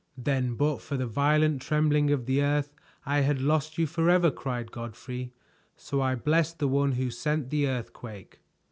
"Then but for the violent trembling of the earth, I had lost you forever!" cried Godfrey. "So I bless the one who sent the earthquake."